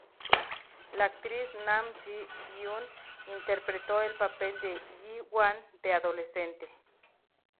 La actriz Nam Ji-hyun interpretó el papel de Ji-wan de adolescente.